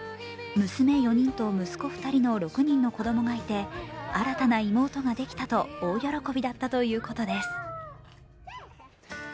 娘４人と息子２人の６人の子供がいて新たな妹ができたと大喜びだったということです。